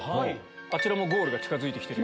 あちらもゴールが近づいてる。